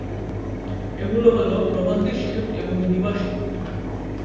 এগুলো হলো প্রভাতী শিফট এবং দিবা শিফট।